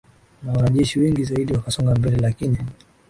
na wanajeshi wengi zaidi wakasonga mbele lakini